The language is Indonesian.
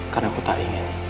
karena ku tak ingin